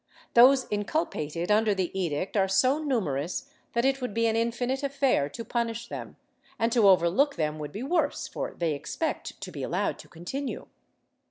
Those inculpated under the edict are so numerous that it would be an infinite affair to punish them, and to overlook them would be worse, for they expect to be allowed to continue.